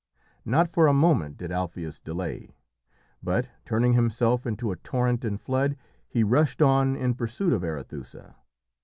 Not for a moment did Alpheus delay, but, turning himself into a torrent in flood, he rushed on in pursuit of Arethusa.